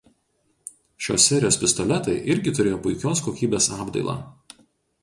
Šios serijos pistoletai irgi turėjo puikios kokybės apdailą.